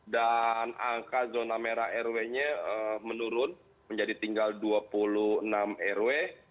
dan angka zona merah rw nya menurun menjadi tinggal dua puluh enam rw